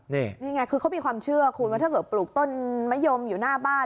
นี่นี่ไงคือเขามีความเชื่อคุณว่าถ้าเกิดปลูกต้นมะยมอยู่หน้าบ้าน